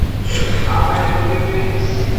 Amenuveve.